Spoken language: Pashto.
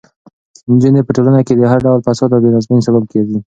نجونې په ټولنه کې د هر ډول فساد او بې نظمۍ سبب ګرځي.